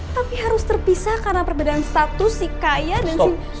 tapi harus terpisah karena perbedaan status si kaya dan si